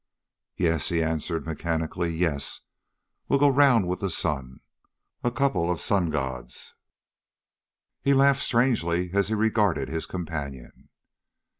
"Yes," he answered mechanically, "yes, we'll go round with the sun ... a couple of sun gods." He laughed strangely as he regarded his companion.